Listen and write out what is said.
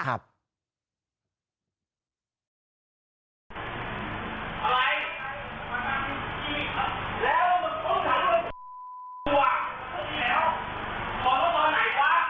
ไอ้อุไอ้เหไอ้ไห่